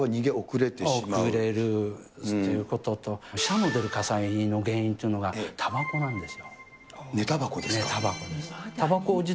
遅れるということと、死者の出る火災の原因っていうのが、たばこなんですよ。